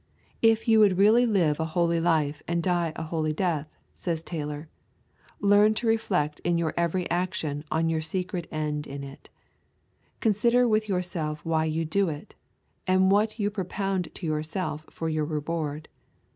'If you would really live a holy life and die a holy death,' says Taylor, 'learn to reflect in your every action on your secret end in it; consider with yourself why you do it, and what you propound to yourself for your reward.